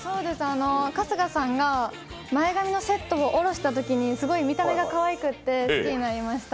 春日さんが前髪のセットを下ろしたときにすごい見た目がかわいくて好きになりました。